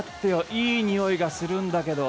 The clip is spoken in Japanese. いいにおいがするんだけど。